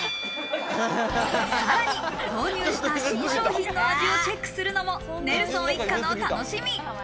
さらに購入した新商品の味をチェックするのもネルソン一家の楽しみ。